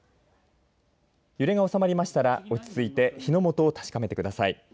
揺れが収まりましたら落ち着いて火の元を確かめてください。